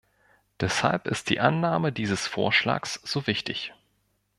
Deshalb ist die Annahme dieses Vorschlags so wichtig.